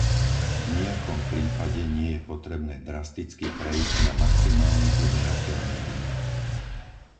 V nijakom prípade nie je potrebné drasticky prejsť na maximálny udržateľný výnos.